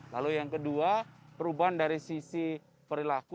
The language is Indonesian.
lalu yang kedua perubahan dari sisi perilaku